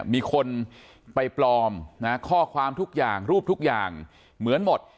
มีคนไปปลอมข้อความทุกอย่างรูปทุกอย่างเหมือนหมด